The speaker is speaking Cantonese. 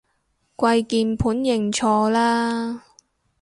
跪鍵盤認錯啦